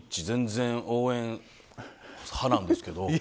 全然応援派なんですけど。